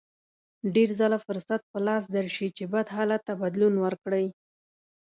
ډېر ځله فرصت په لاس درشي چې بد حالت ته بدلون ورکړئ.